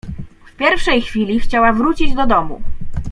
W pierwszej chwili chciała wrócić do domu.